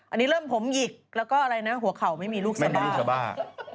อันนี้เริ่มผมหยิกแล้วก็อะไรนะหัวเข่าไม่มีลูกสะบ้าสบ้า